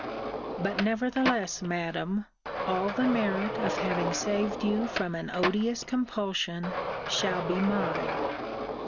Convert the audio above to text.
'But nevertheless, Madam, all the merit of having saved you from an odious compulsion, shall be mine.